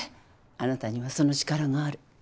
あなたにはその力がある。